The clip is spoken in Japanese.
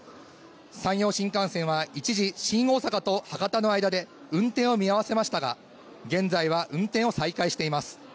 山陽新幹線は一時、新大阪と博多の間で運転を見合わせましたが、現在は運転を再開しています。